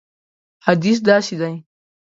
حدیث داسې دی.